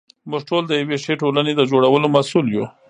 موږ ټول د یوې ښې ټولنې د جوړولو مسوول یو.